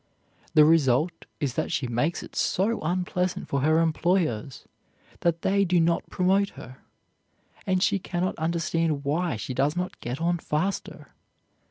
The result is that she makes it so unpleasant for her employers that they do not promote her. And she can not understand why she does not get on faster.